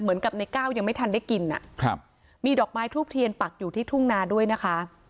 เหมือนกับในก้าวยังไม่ทันได้กินมีดอกไม้ทูบเทียนปักอยู่ที่ทุ่งนาด้วยนะคะ